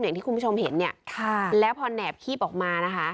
อย่างที่คุณผู้ชมเห็นเนี่ยค่ะแล้วพอแหนบคีบออกมานะคะ